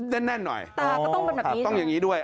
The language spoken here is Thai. ตาก็ต้องเป็นแบบนี้ต้องอย่างนี้ด้วย